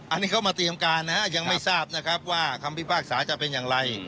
อันนี้เขามาเตรียมการนะฮะยังไม่ทราบนะครับว่าคำพิพากษาจะเป็นอย่างไร